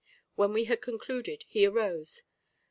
When we had concluded he arose.